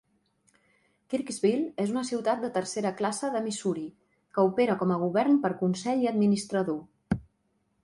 Kirksville és una ciutat de tercera classe de Missouri, que opera com a govern per consell i administrador.